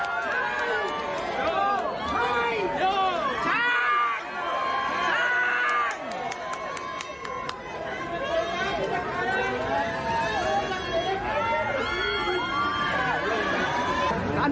นายกไอ้นวงจัง